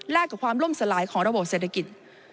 และกับความล่มสลายของระบบเศรษฐกิจ